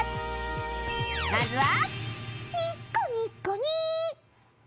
まずは